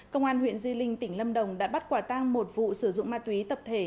công an huyện di linh tỉnh lâm đồng đã bắt quả tang một vụ sử dụng ma túy tập thể